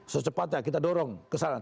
secepatnya kita dorong kesana